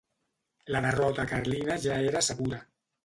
La derrota carlina ja era segura.